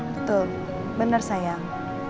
betul bener sayang